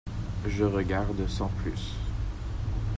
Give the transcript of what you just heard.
Je regarde, sans plus.